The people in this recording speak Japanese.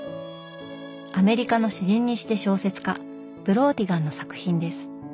アメリカの詩人にして小説家ブローティガンの作品です。